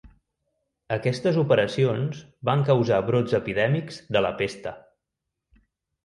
Aquestes operacions van causar brots epidèmics de la pesta.